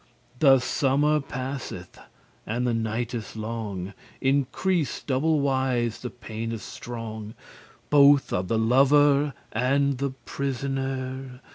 The summer passeth, and the nightes long Increase double wise the paines strong Both of the lover and the prisonere.